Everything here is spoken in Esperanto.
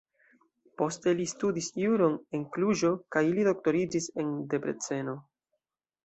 Pli poste li studis juron en Kluĵo kaj li doktoriĝis en Debreceno.